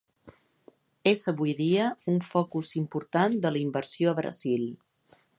És avui dia un focus important de la inversió a Brasil.